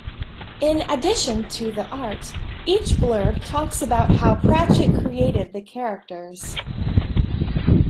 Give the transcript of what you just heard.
In addition to the art, each blurb talks about how Pratchett created the characters.